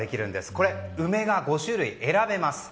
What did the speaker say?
これ、梅が５種類選べます。